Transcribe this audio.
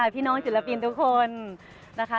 พี่น้องศิลปินทุกคนนะคะ